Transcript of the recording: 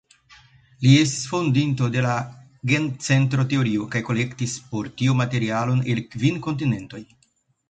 Li estis fondinto de la gencentro-teorio kaj kolektis por tio materialon el kvin kontinentoj.